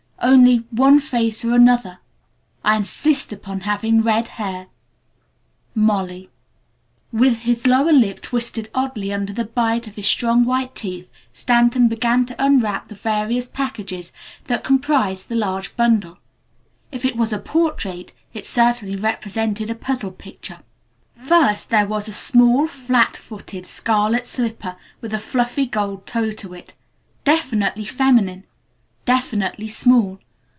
Only, one face or another I insist upon having red hair! "MOLLY." With his lower lip twisted oddly under the bite of his strong white teeth, Stanton began to unwrap the various packages that comprised the large bundle. If it was a "portrait" it certainly represented a puzzle picture. First there was a small, flat footed scarlet slipper with a fluffy gold toe to it. Definitely feminine. Definitely small.